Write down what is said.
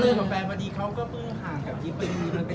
ต่างคนต่างเลิกต่างคนต่างโสดมารอบกัน